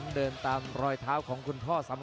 หัวจิตหัวใจแก่เกินร้อยครับ